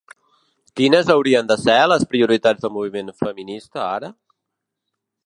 Quines haurien de ser les prioritats del moviment feminista ara?